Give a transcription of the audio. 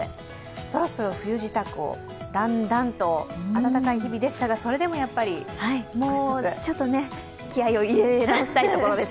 そろそろ冬支度を、だんだんと、暖かい日々でしたがちょっと気合いを入れ直したいところです、。